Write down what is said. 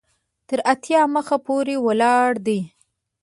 تر اتیا مخ پورې ولاړ دی.